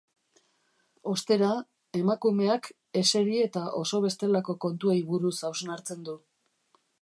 Ostera, emakumeak eseri eta oso bestelako kontuei buruz hausnartzen du.